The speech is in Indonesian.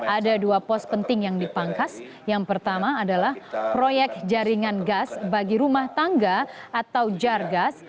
ada dua pos penting yang dipangkas yang pertama adalah proyek jaringan gas bagi rumah tangga atau jargas